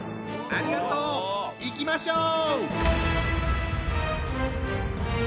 ありがとう。いきましょう！